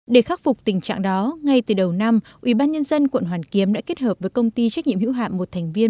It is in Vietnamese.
để khắc phục tình trạng đó ngay từ đầu năm ubnd quận hoàn kiếm đã kết hợp với công ty trách nhiệm hữu hạm một thành viên